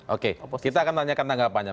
oke kita akan tanyakan tanggapannya